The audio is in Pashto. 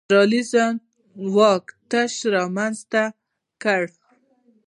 فیوډالېزم د واک تشه رامنځته کړه.